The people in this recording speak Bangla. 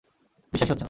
বিশ্বাসই হচ্ছে না।